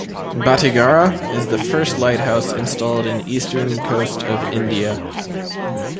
"Batighara" is the first lighthouse installed in eastern coast of India.